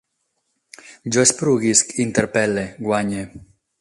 Jo esporuguisc, interpel·le, guanye